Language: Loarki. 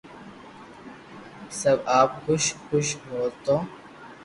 بسب آپ خوݾ ھوݾ ھونن